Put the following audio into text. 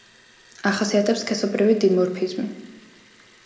ახასიათებს სქესობრივი დიმორფიზმი.